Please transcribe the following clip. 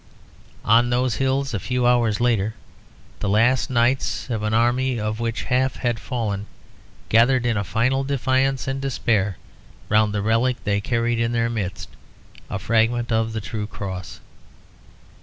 On those hills, a few hours later, the last knights of an army of which half had fallen gathered in a final defiance and despair round the relic they carried in their midst, a fragment of the True Cross.